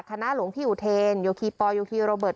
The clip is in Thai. หลวงพี่อุเทนโยคีปอลโยคีโรเบิร์